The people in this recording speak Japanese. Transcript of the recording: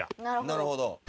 なるほど。